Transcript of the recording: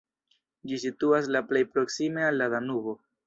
Ĝi situas la plej proksime al la Danubo.